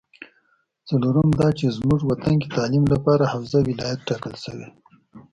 څلورم دا چې زمونږ وطن کې تعلیم لپاره حوزه ولایت ټاکل شوې ده